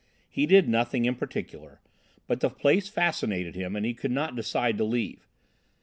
He did nothing in particular, but the place fascinated him and he could not decide to leave.